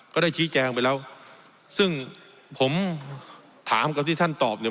ก็ได้ชี้แจงไปแล้วซึ่งผมถามกับที่ท่านตอบเนี่ย